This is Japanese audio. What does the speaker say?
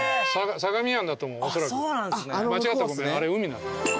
あれ海なんだよ。